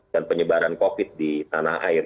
dan penyebaran covid di tanah air